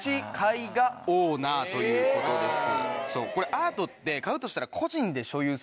アートって買うとしたら。